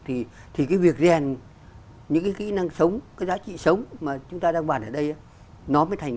thì cái việc rèn những cái kỹ năng sống cái giá trị sống mà chúng ta đang bàn ở đây nó mới thành